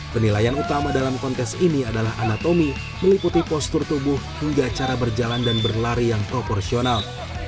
penilaian utama dalam kontes ini adalah anatomi meliputi postur tubuh hingga cara berjalan dan berlari yang proporsional